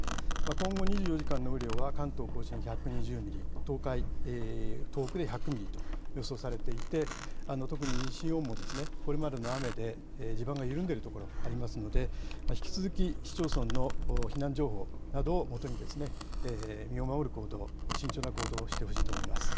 今後２４時間の雨量は関東甲信１２０ミリ、東海、東北で１００ミリと予想されていて、特に西日本もこれまでの雨で地盤が緩んでいる所がありますので、引き続き市町村の避難情報などをもとに、身を守る行動、慎重な行動をしてほしいと思います。